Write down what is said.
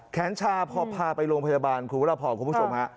แขนชาพอพาไปโรงพยาบาลคุณวรพรคุณผู้ชมฮะ